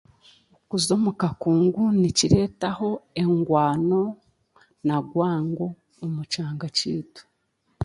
Kuza omu kakungu nikireetaho engwano, nagwango, omu kyanga kyaitu